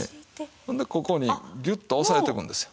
ほんでここにギュッと押さえていくんですよ。